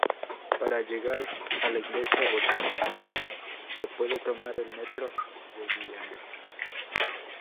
Para llegar a la Iglesia Votiva se puede tomar el Metro de Viena.